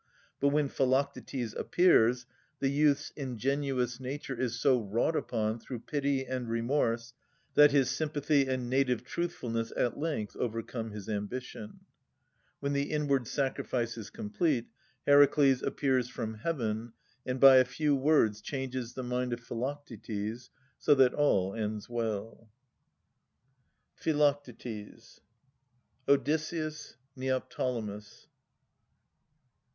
But when Philoctetes appears, the youth's ingenuous nature is so wrought upon through pity and remorse, that his sympathy and native truthfulness at length overcome his ambition. When the inward sacrifice is complete, Heracles appears from heaven, and by a few words changes the mind of Philoc tetes, so that all ends well. PHILOCTETES Odysseus. Neoptolemus.